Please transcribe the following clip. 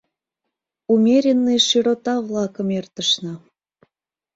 Умеренный широта-влакым эртышна.